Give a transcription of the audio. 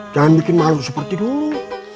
jangan bikin malu seperti dulu